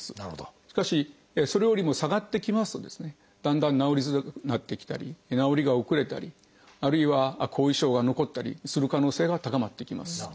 しかしそれよりも下がってきますとだんだん治りづらくなってきたり治りが遅れたりあるいは後遺症が残ったりする可能性が高まっていきます。